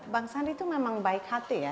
bang sandi itu memang baik hati ya